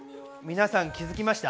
皆さん気づきました？